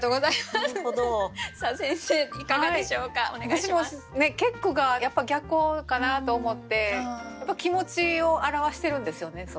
私も結句が逆光かなと思ってやっぱ気持ちを表してるんですよね。